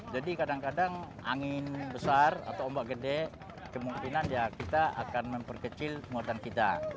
jadi kadang kadang angin besar atau ombak gede kemungkinan ya kita akan memperkecil muatan kita